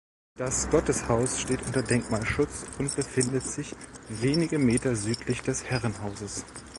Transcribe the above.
Das Gotteshaus steht unter Denkmalschutz und befindet sich wenige Meter südlich des Herrenhauses.